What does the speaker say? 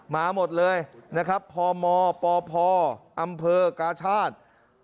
มาหมดเลยพมพพอำเภอกาชาติ